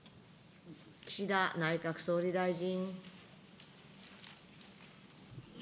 岸田内閣総理大臣。